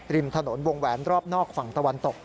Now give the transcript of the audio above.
ริมถนนวงแหวนรอบนอกฝั่งตะวันตก